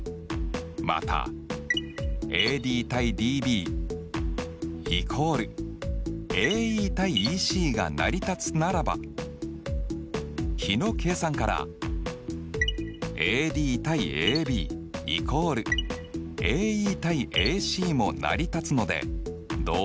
またＡＤ：ＤＢ＝ＡＥ：ＥＣが成り立つならば比の計算からＡＤ：ＡＢ＝ＡＥ：ＡＣも成り立つので同様にＤＥ／／ＢＣなのが分かるね。